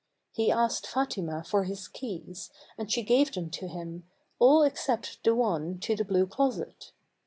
He asked Fatima for his keys, and she gave them to him, all except the one to the Blue Closet.